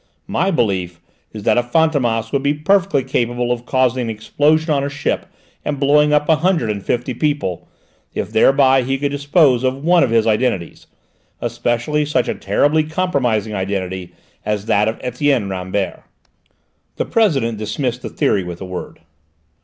My belief is that a Fantômas would be perfectly capable of causing an explosion on a ship and blowing up a hundred and fifty people, if thereby he could dispose of one of his identities, especially such a terribly compromising identity as that of Etienne Rambert." The President dismissed the theory with a word.